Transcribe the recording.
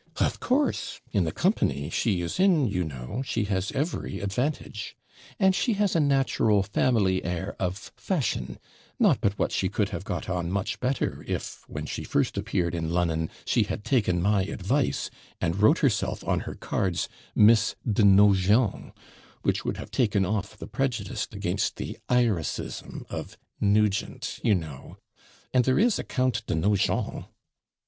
'Of course in the company she is in, you know, she has every advantage. And she has a natural family air of fashion not but what she would have got on much better, if, when she first appeared in Lon'on, she had taken my advice, and wrote herself on her cards Miss de Nogent, which would have taken off the prejudice against the IRICISM of Nugent, you know; and there is a Count de Nogent.'